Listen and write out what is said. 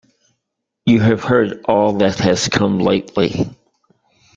You have heard all that has come lately.